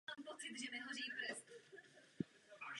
To zní dělá horkého Jupitera.